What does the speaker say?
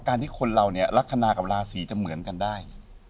ที่คนเราเนี่ยลักษณะกับราศีจะเหมือนกันได้